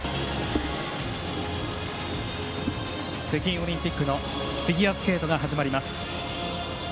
北京オリンピックのフィギュアスケートが始まります。